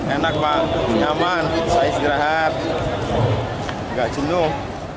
enak banget nyaman saya segera hati enggak jenuh